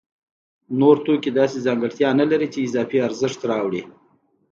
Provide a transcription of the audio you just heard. نور توکي داسې ځانګړتیا نلري چې اضافي ارزښت راوړي